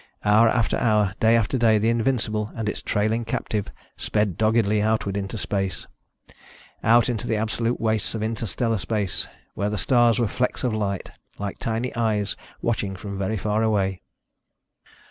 Hour after hour, day after day, the Invincible and its trailing captive sped doggedly outward into space. Out into the absolute wastes of interstellar space, where the stars were flecks of light, like tiny eyes watching from very far away.